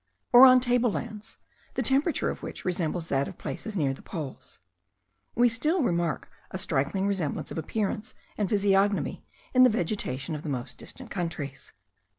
or on table lands, the temperature of which resembles that of places nearer the poles,* we still remark a striking resemblance of appearance and physiognomy in the vegetation of the most distant countries.